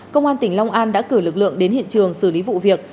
công an tỉnh long an đã cử lực lượng đến hiện trường xử lý vụ việc